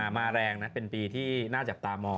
แรงนะเป็นปีที่น่าจับตามอง